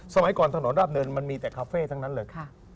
สมัยก่อนถนนราบเนินมันมีแต่คาเฟ่ทั้งนั้นเลย